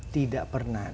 tidak pernah ada